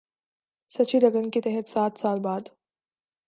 سچی لگن کے تحت سات سال بعد